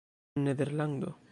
nederlando